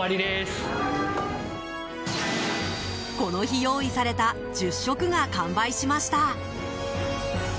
この日、用意された１０食が完売しました。